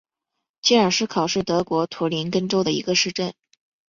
基尔施考是德国图林根州的一个市镇。